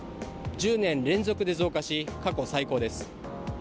１０年連続で増加し過去最高です。